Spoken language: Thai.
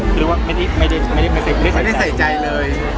คือว่าไม่ได้ใส่ใจเลย